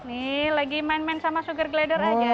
nih lagi main main sama sugar gleder aja